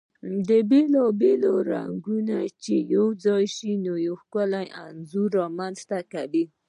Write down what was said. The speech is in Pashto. بيلا بيل رنګونه چی يو ځاي شي ، نو ښکلی انځور رامنځته کوي .